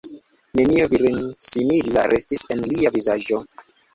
Nenio virinsimila restis en lia vizaĝo.